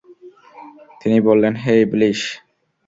তিনি বললেন, হে ইবলীস!